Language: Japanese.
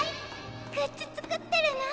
グッズ作ってるの？